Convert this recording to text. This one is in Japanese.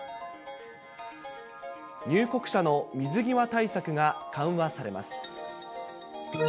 入国者の水際対策が緩和されます。